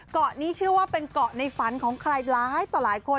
เกาะนี้เชื่อว่าเป็นเกาะในฝันของใครหลายต่อหลายคน